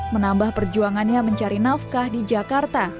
menambah perjuangannya mencari nafkah di jakarta